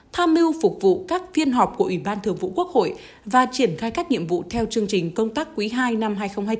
tham mưu phục vụ các phiên họp của ủy ban thường vụ quốc hội và triển khai các nhiệm vụ theo chương trình công tác quý ii năm hai nghìn hai mươi bốn